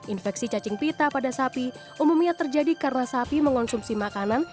infeksi cacing pita pada sapi umumnya terjadi karena sapi mengonsumsi makanan